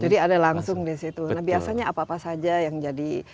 jadi ada langsung disitu biasanya apa apa saja yang jadi